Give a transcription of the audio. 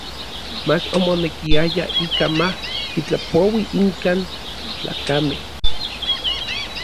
Mach omonekiaya ikaj ma kitlapoui inkan tlakamej.